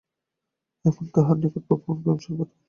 এখন তাঁহার নিকট ভগবান কেবল প্রেমস্বরূপে বর্তমান।